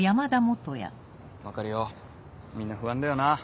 分かるよみんな不安だよな。